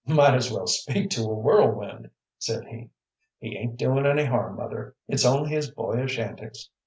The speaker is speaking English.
"Might as well speak to a whirlwind," said he. "He ain't doin' any harm, mother; it's only his boyish antics.